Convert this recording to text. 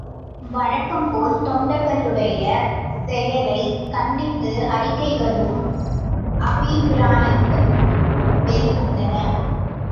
வழக்கம்போல் தொண்டர்களுடைய செயலைக் கண்டித்து அறிக்கைகளும் அபிப்பிராயங்களும் வெளிவந்தன.